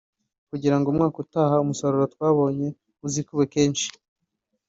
kugira ngo umwaka utaha umusaruro twabonye uzikube kenshi